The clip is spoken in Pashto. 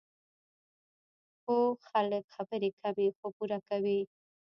پوه خلک خبرې کمې، خو پوره کوي.